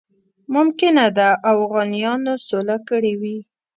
ممکنه ده اوغانیانو سوله کړې وي.